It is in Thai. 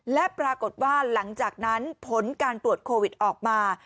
และปรากฏว่าหลังจากนั้นผลการตรวจโควิดออกมา